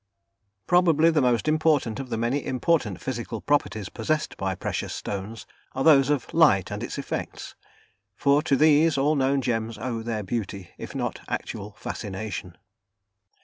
Probably the most important of the many important physical properties possessed by precious stones are those of light and its effects, for to these all known gems owe their beauty, if not actual fascination.